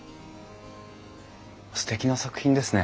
すてきな作品ですね。